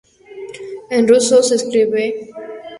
En ruso se escribe "Свобода".